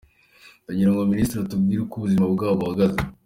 Ndagira ngo Minisitiri atubwire uko ubuzima bwabo buhagaze.